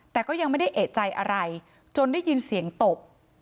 แต่ก็ยังไม่ได้เอกใจอะไรจนได้ยินเสียงตบ